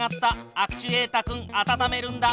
アクチュエータ君温めるんだ。